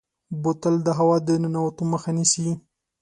بوتل د هوا د ننوتو مخه نیسي.